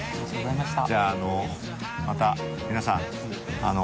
じゃあまた皆さんあの。